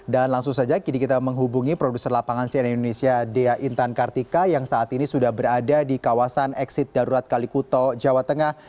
dan langsung saja kita menghubungi produser lapangan cnn indonesia dea intan kartika yang saat ini sudah berada di kawasan eksit darurat kalikuto jawa tengah